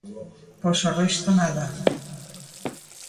Pois o resto nada.